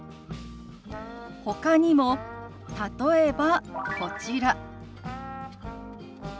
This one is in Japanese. ほかにも例えばこちら。